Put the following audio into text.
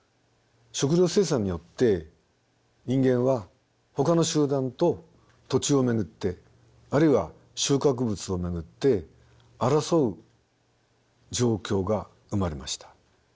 食料生産によって人間はほかの集団と土地を巡ってあるいは収穫物を巡って争う状況が生まれました。